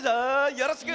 よろしく！